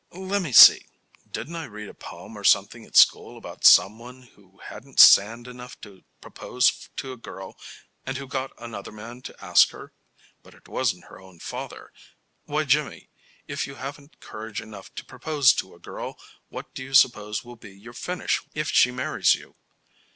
"Le' me see. Didn't I read a poem or something at school about some one who hadn't sand enough to propose to a girl and who got another man to ask her? But it wasn't her own father. Why, Jimmy, if you haven't courage enough to propose to a girl, what do you suppose will be your finish if she marries you?